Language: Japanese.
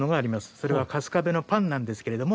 それは春日部のパンなんですけれども。